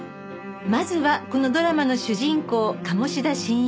まずはこのドラマの主人公鴨志田新一